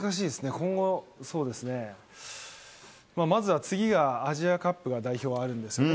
今後、そうですね、まずは次がアジアカップが代表はあるんですけどね。